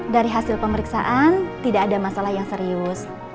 dari hasil pemeriksaan tidak ada masalah yang serius